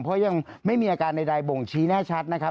เพราะยังไม่มีอาการใดบ่งชี้แน่ชัดนะครับ